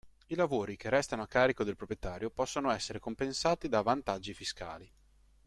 I lavori che restano a carico del proprietario possono essere compensati da vantaggi fiscali.